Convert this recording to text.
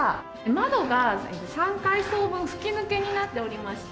窓が３階層分吹き抜けになっておりまして。